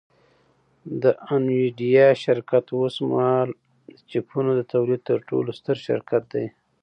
د انویډیا شرکت اوسمهال د چیپونو د تولید تر ټولو ستر شرکت دی